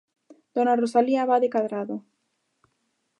Dona Rosalía Abade Cadrado.